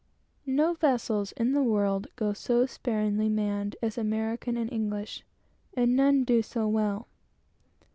No vessels in the world go so poorly manned as American and English; and none do so well.